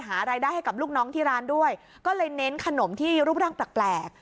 หารายได้ให้กับลูกน้องที่ร้านด้วยก็เลยเน้นขนมที่รูปร่างแปลก